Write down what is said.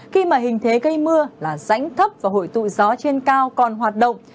khi mà hình thế gây mưa là rãnh thấp và hội tụ gió trên cao còn hoạt động